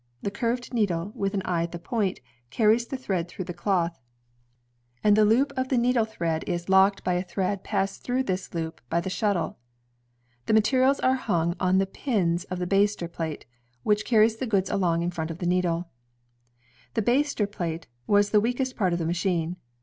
The curved needle, with an eye at the point, carries the thread through the cloth, and the loop of the needle thread ELIAS HOWE 131 is locked by a thread passed through this loop by the shuttle. The materials are hung on the pins of the baster plate, which carries the goods along in front of the needle. THE ratST HOWE SEWING UACEINE The baster plate was the weakest part of the machine.